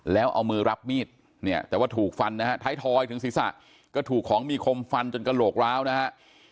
แล้วเอามือรับมีดเนี่ยแต่ว่าถูกฟันนะฮะท้ายทอยถึงศีรษะก็ถูกของมีคมฟันจนกระโหลกร้าวนะฮะ